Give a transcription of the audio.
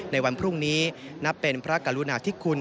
ในวันพรุ่งนี้นับเป็นพระกรุณาธิคุณ